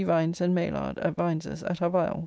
Vines and Maylard at Vines's at our viols.